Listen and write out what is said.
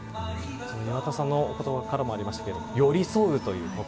岩田さんの言葉にもありましたが寄り添うということ。